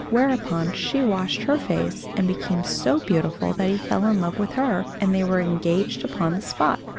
Whereupon she washed her face, and became so beautiful that he fell in love with her, and they were engaged upon the spot.